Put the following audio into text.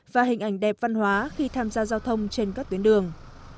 và hình ảnh đẹp văn hóa khi tham gia giao thông trên các tuyến đường